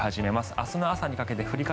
明日の朝にかけて降り方